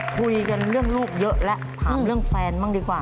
คุยกันเรื่องลูกเยอะแล้วถามเรื่องแฟนบ้างดีกว่า